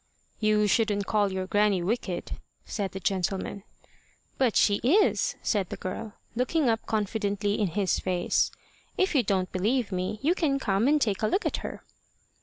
"You shouldn't call your grannie wicked," said the gentleman. "But she is," said the girl, looking up confidently in his face. "If you don't believe me, you can come and take a look at her."